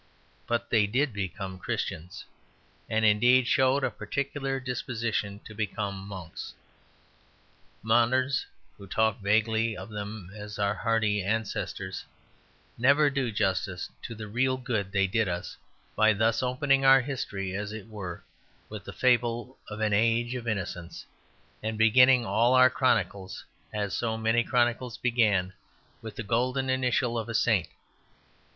But they did become Christians, and indeed showed a particular disposition to become monks. Moderns who talk vaguely of them as our hardy ancestors never do justice to the real good they did us, by thus opening our history, as it were, with the fable of an age of innocence, and beginning all our chronicles, as so many chronicles began, with the golden initial of a saint.